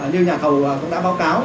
như nhà thầu cũng đã báo cáo